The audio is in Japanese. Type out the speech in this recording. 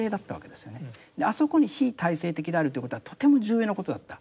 あそこに非体制的であるということはとても重要なことだった。